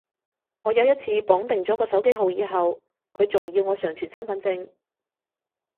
我有一次綁定咗個手機號以後，佢仲要我上傳身份證